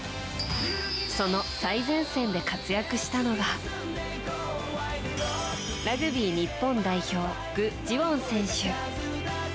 その最前線で活躍したのがラグビー日本代表グ・ジウォン選手。